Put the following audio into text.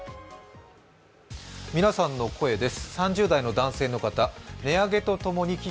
皆さんの声です。